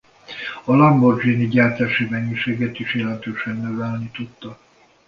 A Lamborghini gyártási mennyiségét is jelentősen növelni tudta.